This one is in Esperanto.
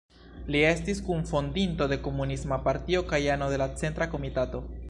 Li estis kunfondinto de komunista partio kaj ano de la centra komitato.